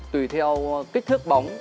tùy theo kích thước bóng